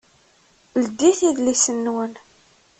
Ldit idlisen-nwen!